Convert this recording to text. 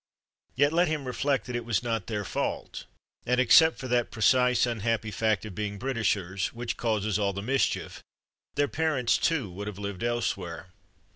Yet, let him reflect that it was not their fault, and except for that precise unhappy fact of being Britishers, which causes all the mischief, their parents too would have lived elsewhere.